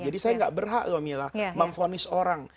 jadi saya gak berhak loh mila memfonis orang